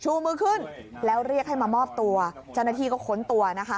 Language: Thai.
ชูมือขึ้นแล้วเรียกให้มามอบตัวเจ้าหน้าที่ก็ค้นตัวนะคะ